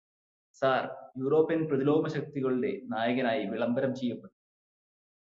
Sir European പ്രതിലോമശക്തികളുടെ നായകനായി വിളംബരം ചെയ്യപ്പെട്ടു.